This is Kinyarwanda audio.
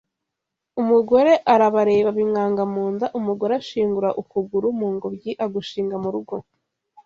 Umugore arabareba bimwanga mu nda umugore ashingura ukuguru mu ngobyi agushinga ku rugo